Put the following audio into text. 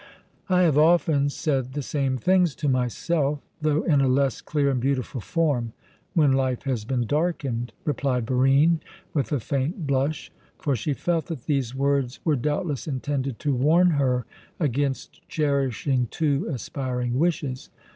"I have often said the same things to myself, though in a less clear and beautiful form, when life has been darkened," replied Barine, with a faint blush; for she felt that these words were doubtless intended to warn her against cherishing too aspiring wishes.